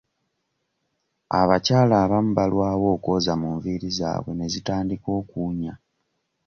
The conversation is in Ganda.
Abakyala abamu balwawo okwoza mu nviiri zaabwe ne zitandika okuwunya.